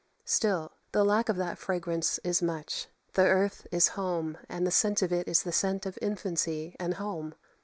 Still, the lack of that fragrance is much. The earth is home, and the scent of it is the scent of infancy and home.